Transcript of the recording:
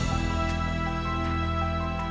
โอ้โอ้โอ้